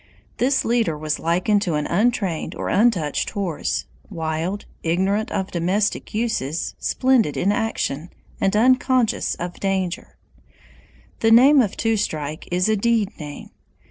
This leader was likened to an untrained or untouched horse, wild, ignorant of domestic uses, splendid in action, and unconscious of danger. The name of Two Strike is a deed name.